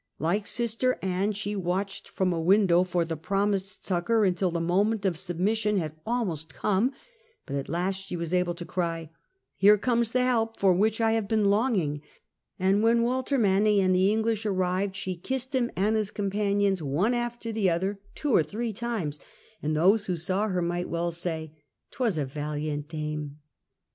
Like Sister Anne she watched from a window for the promised succour until the moment of submission had almost come, but at last she was able to cry, " Here comes the help for which I have been longing "; and when Walter Manny and the English arrived, " she kissed him and his companions one after the other two or three times, and those who saw her might well say that 'twas a valiant dame